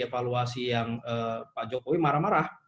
evaluasi yang pak jokowi marah marah